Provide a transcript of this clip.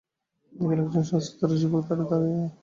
দেখিল একজন সশস্ত্র যুবক দ্বারে দাঁড়াইয়া।